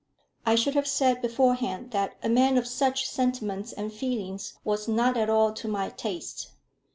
I should have said beforehand that a man of such sentiments and feelings was not at all to my taste.